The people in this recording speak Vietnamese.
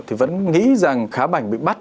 thì vẫn nghĩ rằng khá bảnh bị bắt